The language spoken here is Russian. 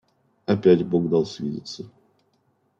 – Опять бог дал свидеться.